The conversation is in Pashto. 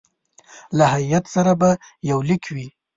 له هیات سره به یو لیک وي.